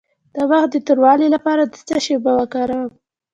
د مخ د توروالي لپاره د څه شي اوبه وکاروم؟